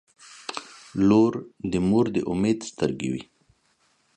• لور د مور د امید سترګې وي.